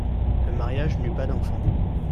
Le mariage n'eut pas d'enfants.